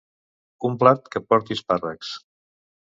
Un plat que porti espàrrecs.